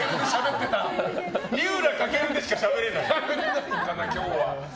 井浦翔でしかしゃべれない。